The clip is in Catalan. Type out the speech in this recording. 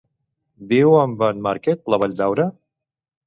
Viu amb en Marquet, la Valldaura?